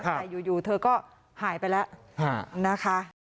แต่อยู่เธอก็หายไปแล้วนะคะ